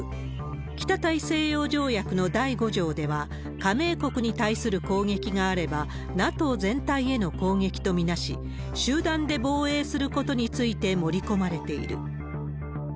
北大西洋条約の第５条では、加盟国に対する攻撃があれば、ＮＡＴＯ全体への攻撃と見なし、集団で防衛することについて盛り込まれている。